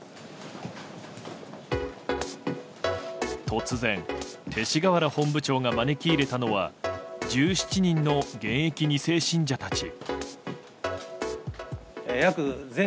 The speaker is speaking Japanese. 突然、勅使河原本部長が招き入れたのは１７人の現役２世信者たち。